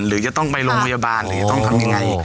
หรือจะต้องไปโรงพยาบาลหรือจะต้องทำยังไง